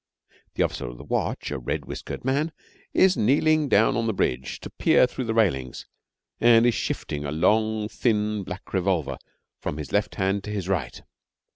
The officer of the watch, a red whiskered man, is kneeling down on the bridge to peer through the railings, and is shifting a long, thin black revolver from his left hand to his right.